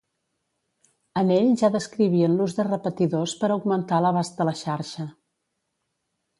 En ell ja descrivien l'ús de repetidors per augmentar l'abast de la xarxa.